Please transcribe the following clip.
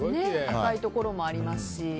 赤いところもありますし。